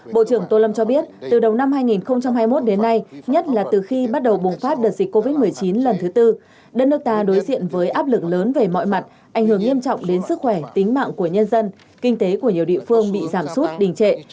bộ trưởng tô lâm cho biết từ đầu năm hai nghìn hai mươi một đến nay nhất là từ khi bắt đầu bùng phát đợt dịch covid một mươi chín lần thứ tư đất nước ta đối diện với áp lực lớn về mọi mặt ảnh hưởng nghiêm trọng đến sức khỏe tính mạng của nhân dân kinh tế của nhiều địa phương bị giảm sút đình trệ